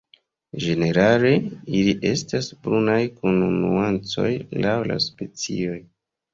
Ĝenerale ili estas brunaj kun nuancoj laŭ la specioj.